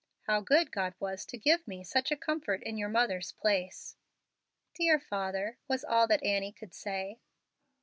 How good God was to give me such a comfort in your mother's place!" "Dear father!" was all that Annie could say.